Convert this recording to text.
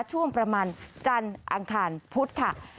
ช่วงประมาณจันทร์อังคารพุธค่ะ